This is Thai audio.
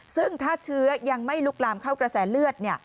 ซึ่งถ้าเชื้อยังไม่ลุกลามเข้ากระแสเลือด